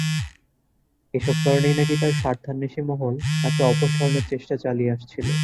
এসব কারণেই নাকি তাঁর স্বার্থান্বেষী মহল তাঁকে অপসারণের চেষ্টা চালিয়ে আসছিল।